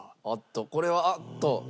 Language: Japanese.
おっとこれはあっと！